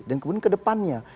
dan kemudian ke depannya